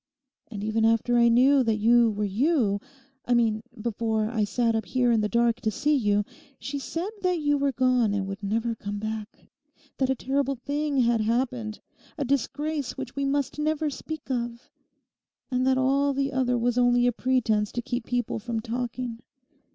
And even after I knew that you were you—I mean before I sat up here in the dark to see you—she said that you were gone and would never come back; that a terrible thing had happened—a disgrace which we must never speak of; and that all the other was only a pretence to keep people from talking.